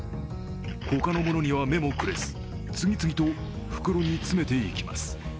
ほかのものには目もくれず、次々と袋に詰めていきます。